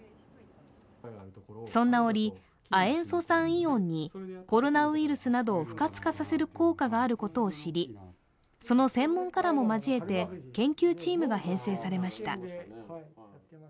そんな折、亜塩素酸イオンにコロナウイルスなどを不活化させる効果があることを知り、その専門家らも交えて研究チームが編成されました。